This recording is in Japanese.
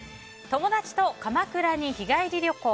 友達と鎌倉に日帰り旅行。